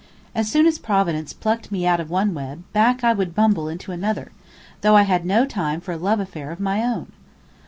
As soon as Providence plucked me out of one web, back I would bumble into another, though I had no time for a love affair of my own.